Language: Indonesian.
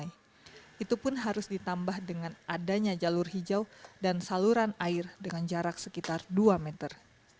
itu pun harus ditambah dengan adanya jalur hijau dan saluran air dengan jarak sekitar dua meter